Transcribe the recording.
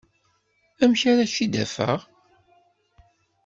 Amek ara k-id-afeɣ?